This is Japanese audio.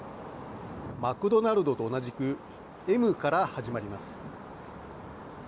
マクドナルドと同じくＭから始まります。